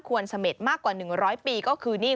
ควรเสม็ดมากกว่า๑๐๐ปีก็คือ